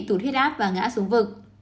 bà liên bị thuyết áp và ngã xuống vực